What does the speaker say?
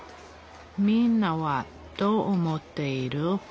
みんなはどう思っている？